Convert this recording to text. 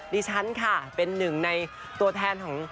ดิฉันค่ะเป็นหนึ่งในตัวแทนของ